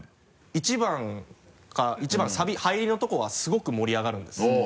１番か１番サビ入りのとこはすごく盛り上がるんです。